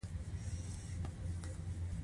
هم یې وکتل لکۍ او هم غوږونه